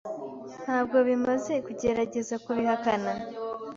Ntabwo bimaze kugerageza kubihakana.